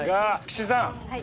岸井さん！